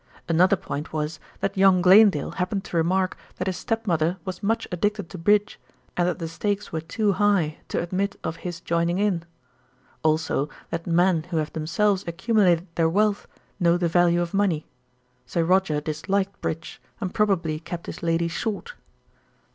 "Another point was that young Glanedale happened to remark that his step mother was much addicted to bridge, and that the stakes were too high to admit of his joining in. Also that men who have themselves accumulated their wealth know the value of money. Sir Roger disliked bridge and probably kept his lady short."